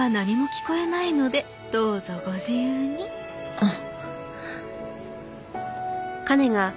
あっ。